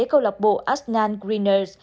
cầu lọc bộ asnan greeners